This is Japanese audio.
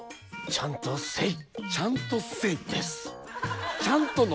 ちゃんとせい！